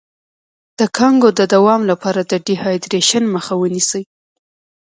د کانګو د دوام لپاره د ډیهایډریشن مخه ونیسئ